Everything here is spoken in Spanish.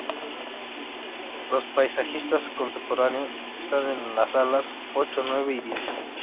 Los paisajista contemporáneos están en las salas ocho, nueve y diez.